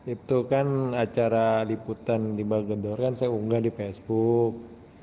itu kan acara liputan di bagedor kan saya unggah di facebook